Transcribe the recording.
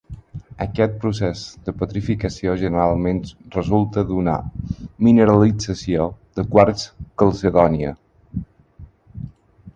Aquest procés de petrificació generalment resulta d'una mineralització de quars calcedònia.